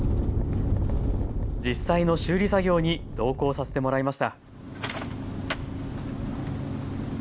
実際の修理作業に同行させてもらいました。